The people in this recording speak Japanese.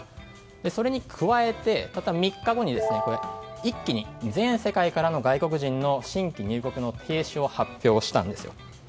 それに加えて、３日後に一気に全世界からの外国人の新規入国の停止を発表したんです。